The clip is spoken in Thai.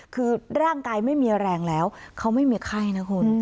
คือร่างกายไม่มีแรงแล้วเขาไม่มีไข้นะคุณ